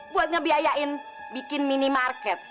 buat ngebiayain bikin minimarket